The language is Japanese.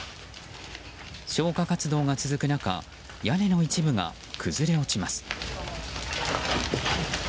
消火活動が続く中屋根の一部が崩れ落ちます。